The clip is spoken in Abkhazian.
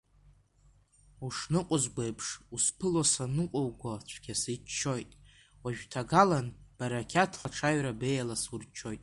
Ушныҟәызго еиԥш усԥыло, санныҟәуго цәгьа сыччоит, уажә ҭагалан, барақьаҭла ҽаҩра беиала сурчоит.